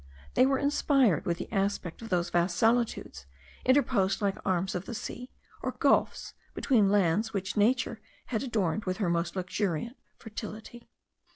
They were inspired with the aspect of those vast solitudes, interposed like arms of the sea or gulfs, between lands which nature had adorned with her most luxuriant fertility.